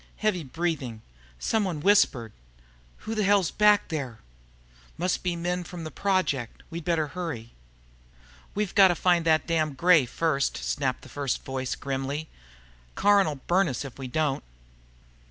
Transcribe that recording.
Heavy breathing. Somebody whispered, "Who the hell's that back there?" "Must be men from the Project. We'd better hurry." "We've got to find that damned Gray first," snapped the first voice grimly. "Caron'll burn us if we don't."